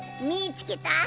見ぃつけた。